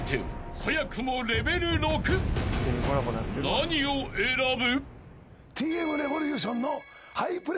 ［何を選ぶ？］